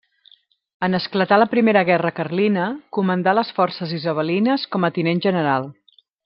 En esclatar la Primera Guerra Carlina, comandà les forces isabelines com a tinent general.